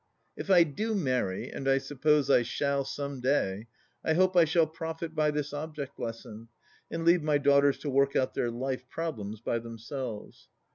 If I do marry, and I suppose I shall some day, I hope I shall profit by this object lesson and leave my daughters to work out their life problems by themselves.